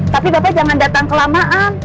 tapi bapak jangan datang kelamaan